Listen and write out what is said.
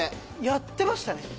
やってましたね。